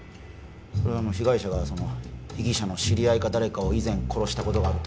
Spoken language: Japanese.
それは被害者がその被疑者の知り合いか誰かを殺したことがあると？